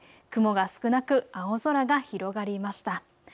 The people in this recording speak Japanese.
雲が少なく青空が広がりました。